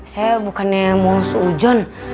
saya bukannya mau seujon